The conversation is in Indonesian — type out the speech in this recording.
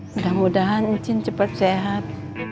mudah mudahan cin cepat sehat